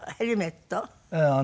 ええ。